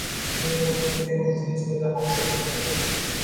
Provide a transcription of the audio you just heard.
তিনি পর্তুগিজ এবং ভেনিজুয়েলা বংশোদ্ভূত।